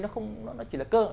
nó chỉ là cơ